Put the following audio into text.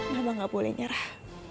mama gak boleh nyerah